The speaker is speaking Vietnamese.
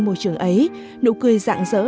môi trường ấy nụ cười rạng rỡ